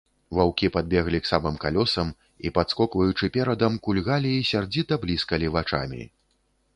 Ваўкі падбеглі к самым калёсам і, падскокваючы перадам, кульгалі і сярдзіта бліскалі вачамі.